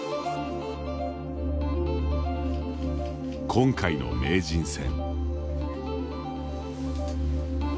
今回の名人戦。